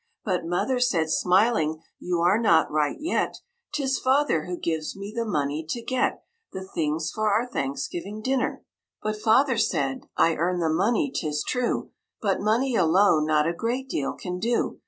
But Mother said, smiling, "You are not right yet; 'Tis Father who gives me the money to get The things for our Thanksgiving Dinner." But Father said: "I earn the money, 'tis true; But money alone not a great deal can do.